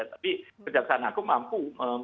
tapi kejaksaan agung mampu